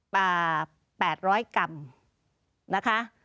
ป่า๘๐๐กรัมนะคะ